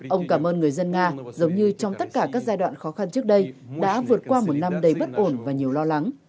ông cảm ơn người dân nga giống như trong tất cả các giai đoạn khó khăn trước đây đã vượt qua một năm đầy bất ổn và nhiều lo lắng